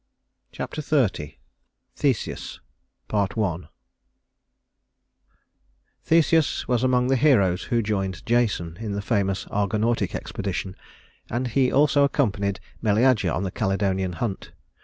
Chapter XXX Theseus Part I Theseus was among the heroes who joined Jason in the famous Argonautic expedition; and he also accompanied Meleager on the Calydonian hunt.